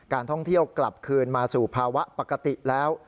ท่องเที่ยวกลับคืนมาสู่ภาวะปกติแล้ว